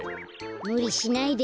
むりしないで。